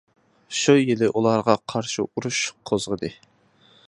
شۇ يىلى ئۇلارغا قارشى ئۇرۇش قوزغىدى.